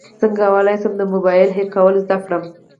څنګه کولی شم د فون هک کول زده کړم